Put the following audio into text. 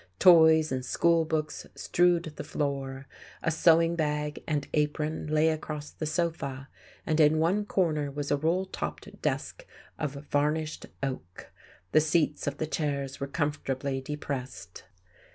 Toys and school books strewed the floor, a sewing bag and apron lay across the sofa, and in one corner was a roll topped desk of varnished oak. The seats of the chairs were comfortably depressed.